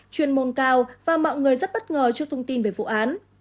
chuyên môn cao và mọi người rất bất ngờ trước thông tin về vụ án